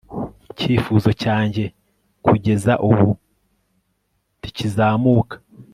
Icyifuzo cyanjye kugeza ubu ntikizamuka